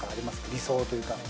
理想というか。